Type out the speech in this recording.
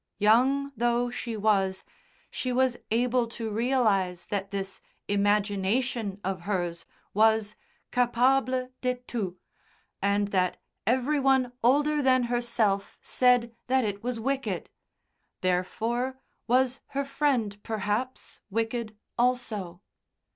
Young though, she was, she was able to realise that this imagination of hers was capable de tout, and that every one older than herself said that it was wicked; therefore was her Friend, perhaps, wicked also.